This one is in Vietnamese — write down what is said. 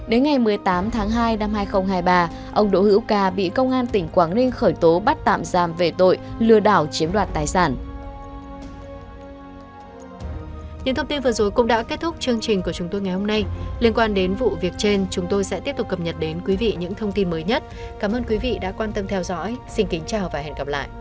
đến ngày một mươi tám tháng hai năm hai nghìn hai mươi ba ông đỗ hữu ca bị công an tỉnh quảng ninh khởi tố bắt tạm giam về tội lừa đảo chiếm đoạt tài sản